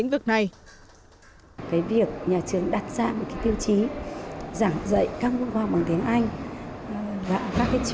và nâng cao kiến thức